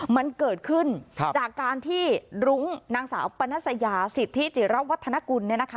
มันเกิดขึ้นจากการที่รุ้งนางสาวปนัสยาสิทธิจิระวัฒนกุลเนี่ยนะคะ